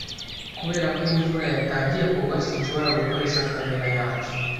Kubera ko imvura yatangiye kugwa, sinshobora gukoresha kamera yanjye.